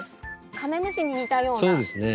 カメムシに似たような。